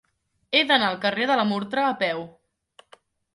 He d'anar al carrer de la Murtra a peu.